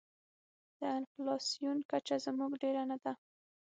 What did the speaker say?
د انفلاسیون کچه زموږ ډېره نه ده.